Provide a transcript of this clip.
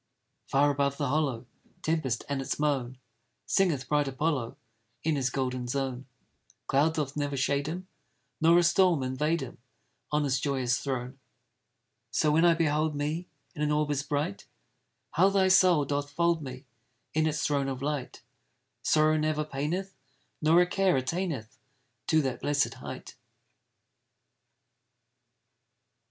Far above the hollow Tempest, and its moan, Singeth bright Apollo In his golden zone, Cloud doth never shade him, Nor a storm invade him, On his joyous throne. So when I behold me In an orb as bright, How thy soul doth fold me In its throne of light! Sorrow never paineth, Nor a care attaineth To that blessed height.